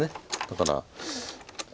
だから。